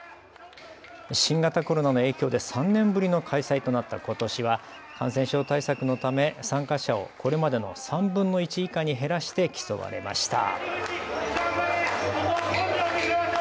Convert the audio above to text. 新型コロナの影響で３年ぶりの開催となったことしは感染症対策のため、参加者をこれまでの３分の１以下に減らして競われました。